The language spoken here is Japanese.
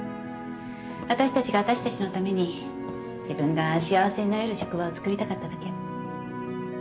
私たちが私たちのために自分が幸せになれる職場をつくりたかっただけ。